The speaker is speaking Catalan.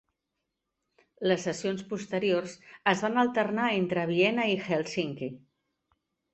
Les sessions posteriors es van alternar entre Viena i Hèlsinki.